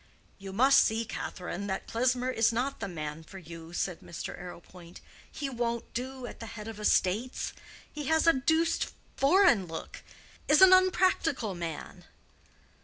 "You must see, Catherine, that Klesmer is not the man for you," said Mr. Arrowpoint. "He won't do at the head of estates. He has a deuced foreign look—is an unpractical man."